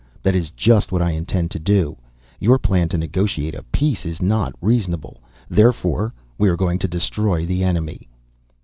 That is just what I intend to do. Your plan to negotiate a peace is not reasonable. Therefore we are going to destroy the enemy."